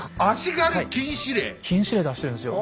禁止令出してるんですよ。